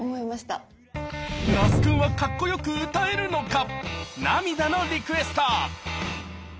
那須くんはかっこよく歌えるのか⁉「涙のリクエスト」